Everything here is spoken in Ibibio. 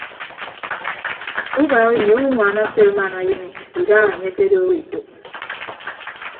Ubaak ini awonwaan ase aman ayịn idaha anye akedooho etәk.